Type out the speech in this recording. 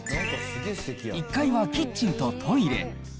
１階はキッチンとトイレ。